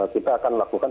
kita akan melakukan